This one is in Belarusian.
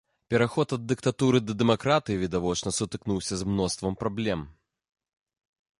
Пераход ад дыктатуры да дэмакратыі, відавочна, сутыкнуўся з мноствам праблем.